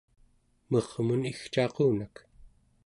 mermun igcaqunak